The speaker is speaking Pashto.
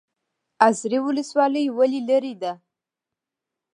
ازرې ولسوالۍ ولې لیرې ده؟